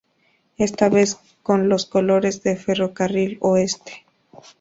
Esta vez con los colores de Ferro Carril Oeste.